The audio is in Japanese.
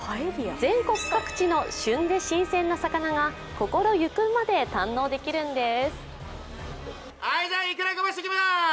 全国各地の旬で新鮮な魚が心ゆくまで堪能できるんです。